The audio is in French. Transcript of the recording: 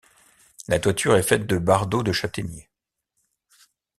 La toiture est faite de bardeaux de châtaignier.